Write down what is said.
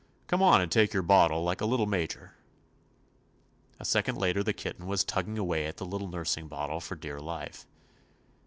Come on and take your bottle like a 49 THE ADVENTURES OF little major." A second later the kit ten was tugging away at the little nursing bottle for dear life.